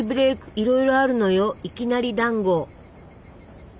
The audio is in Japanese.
いろいろあるのよいきなりだんご！